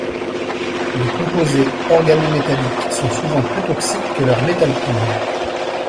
Les composés organométalliques sont souvent plus toxiques que leur métal pur.